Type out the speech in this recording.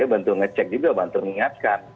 bantu ngecek juga bantu mengingatkan